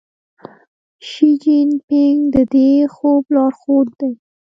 شي جین پینګ د دې خوب لارښود دی.